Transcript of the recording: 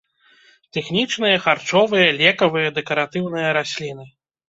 Тэхнічныя, харчовыя, лекавыя, дэкаратыўныя расліны.